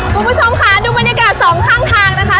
คุณผู้ชมค่ะดูบรรยากาศสองข้างทางนะคะ